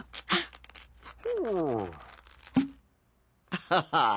アハハ。